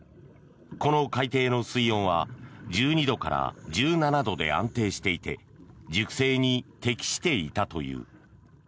この海底の水温は１２度から１７度で安定していて熟成に適していたという。